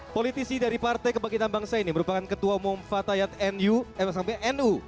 politisi dari partai kebangkitan bangsa ini merupakan ketua umum fatayat nusabnu